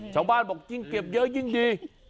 ชาวบ้านบอกยิ่งเก็บเยอะยิ่งดี